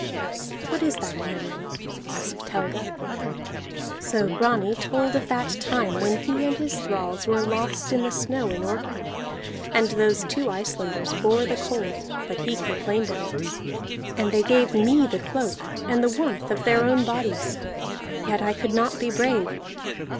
"What is that memory?" asked Helga. So Grani told of that time when he and his thralls were lost in the snow in Orkney, and those two Icelanders bore the cold, but he complained of it. "And they gave me the cloak and the warmth of their own bodies, yet I could not be brave.